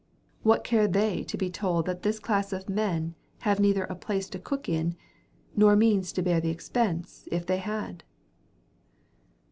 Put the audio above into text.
What care they to be told that this class of men have neither a place to cook in—nor means to bear the expense, if they had?